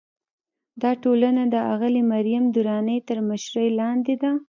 دا ټولنه د اغلې مریم درانۍ تر مشرۍ لاندې ده.